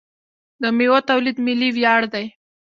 د میوو تولید ملي ویاړ دی.